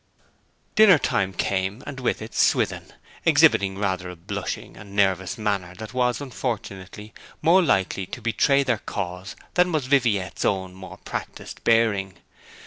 Dinner time came and with it Swithin, exhibiting rather a blushing and nervous manner that was, unfortunately, more likely to betray their cause than was Viviette's own more practised bearing.